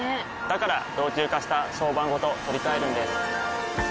から老朽化した床版ごと取り替えるんです。